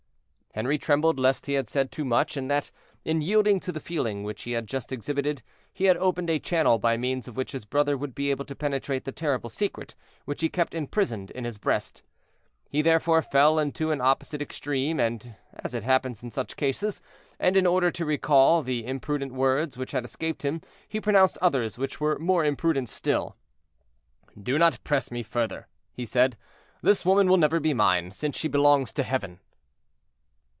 Henri trembled lest he had said too much, and that, in yielding to the feeling which he had just exhibited, he had opened a channel by means of which his brother would be able to penetrate the terrible secret which he kept imprisoned in his breast. He therefore fell into an opposite extreme; and, as it happens in such cases, and in order to recall the imprudent words which had escaped him, he pronounced others which were more imprudent still. "Do not press me further," he said; "this woman will never be mine, since she belongs to Heaven."